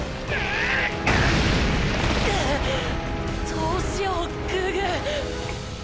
どうしようグーグー。